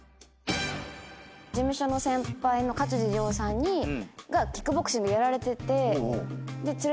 事務所の先輩の勝地涼さんがキックボクシングやられてて。